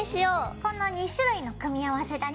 この２種類の組み合わせだね。